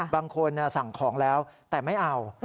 บางคนสั่งของแล้วแต่ไม่เอา